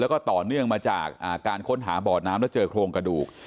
แล้วก็ต่อเนื่องมาจากการค้นหาบ่อน้ำแล้วเจอโครงกระดูก